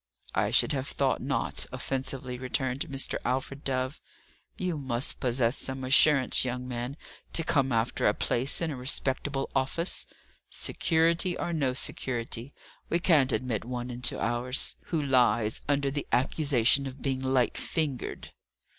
"I should have thought not," offensively returned Mr. Alfred Dove. "You must possess some assurance, young man, to come after a place in a respectable office. Security, or no security, we can't admit one into ours, who lies under the accusation of being light fingered."